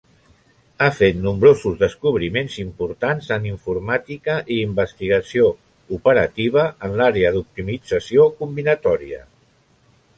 Ha fet nombrosos descobriments importants en informàtica i investigació operativa en l'àrea d'optimització combinatòria.